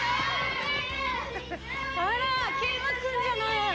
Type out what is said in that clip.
あら景和くんじゃない！